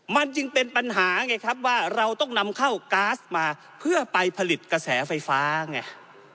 มันจึงเป็นปัญหาไงครับว่าเราต้องนำเข้าก๊าซมาเพื่อไปผลิตกระแสไฟฟ้าไง